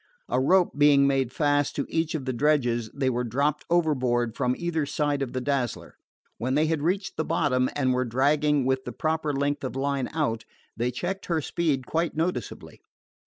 A rope being made fast to each of the dredges, they were dropped overboard from either side of the Dazzler. When they had reached the bottom, and were dragging with the proper length of line out, they checked her speed quite noticeably.